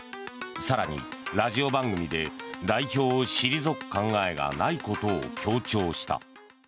更にラジオ番組で代表を退く考えがないことを強調した。